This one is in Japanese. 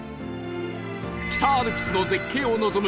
北アルプスの絶景を望む